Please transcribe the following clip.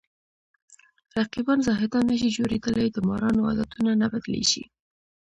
رقیبان زاهدان نشي جوړېدلی د مارانو عادتونه نه بدلېږي